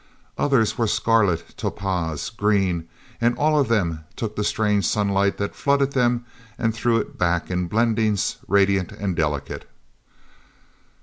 Others were scarlet, topaz, green, and all of them took the strange sunlight that flooded them and threw it back in blendings radiant and delicate.